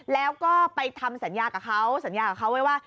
แล้วก็ไปทำสัญญากับเขาสัญญากับเขาไว้ว่า